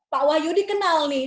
pak wahyudi kenal nih